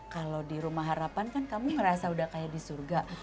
kalau di rumah harapan kan kamu ngerasa udah kayak di surga